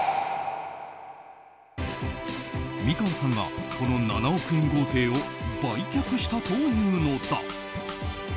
美川さんが、この７億円豪邸を売却したというのだ。